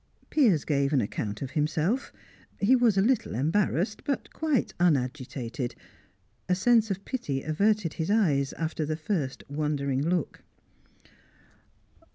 Piers gave an account of himself. He was a little embarrassed but quite unagitated. A sense of pity averted his eyes after the first wondering look.